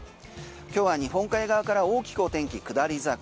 今日は日本海側から大きくお天気下り坂。